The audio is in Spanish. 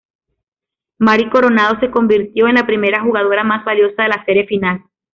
Mari Coronado se convirtió en la primera jugadora más valiosa de la serie final.